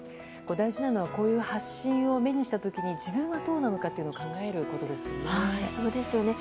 大事なのはこういう発信を目にした時に自分はどうなのかということを考えることですよね。